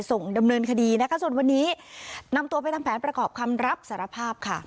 ส่งดำเนินคดีนะคะส่วนวันนี้นำตัวไปทำแผนประกอบคำรับสารภาพค่ะ